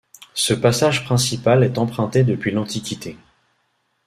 Ce passage principal est emprunté depuis l'Antiquité.